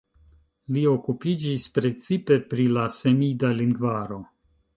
Li okupiĝis precipe pri la semida lingvaro.